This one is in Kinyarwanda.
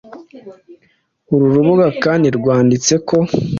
Uru rubuga kandi rwanditse ko